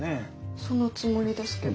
そのつもりですけど。